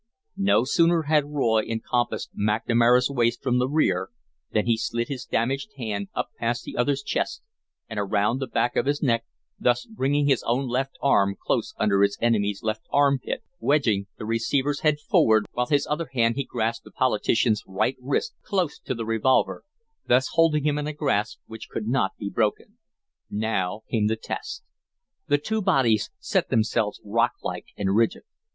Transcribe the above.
No sooner had Roy encompassed McNamara's waist from the rear than he slid his damaged hand up past the other's chest and around the back of his neck, thus bringing his own left arm close under his enemy's left armpit, wedging the receiver's head forward, while with his other hand he grasped the politician's right wrist close to the revolver, thus holding him in a grasp which could not be broken. Now came the test. The two bodies set themselves rocklike and rigid.